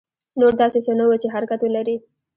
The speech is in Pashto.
نور داسې څه نه وو چې حرکت ولري.